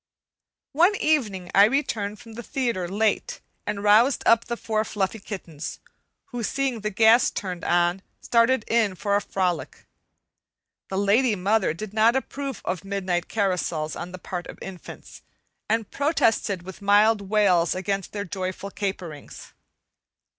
One evening I returned from the theatre late and roused up the four fluffy kittens, who, seeing the gas turned on, started in for a frolic. The lady mother did not approve of midnight carousals on the part of infants, and protested with mild wails against their joyful caperings.